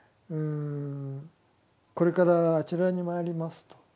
これからあちらに参りますと。